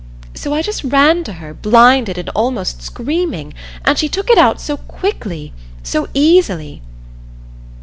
So I just ran to her, blinded and almost screaming, and she took it out so quickly so easily!"